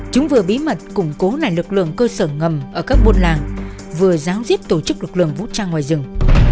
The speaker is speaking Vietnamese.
chúng vừa bí mật củng cố lại lực lượng cơ sở ngầm ở các buôn làng vừa giáo diết tổ chức lực lượng vũ trang ngoài rừng